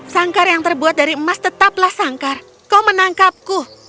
sangkar yang terbuat dari emas tetaplah sangkar kau menangkapku